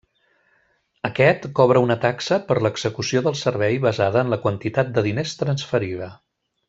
Aquest cobra una taxa per l'execució del servei basada en la quantitat de diners transferida.